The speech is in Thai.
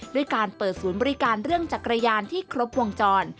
ด้วยการเปิดศูนย์บริการเรื่องจักรยานที่ครบวงจร